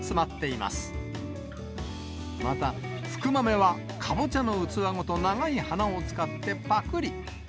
また、福豆はかぼちゃの器ごと長い鼻を使ってぱくり。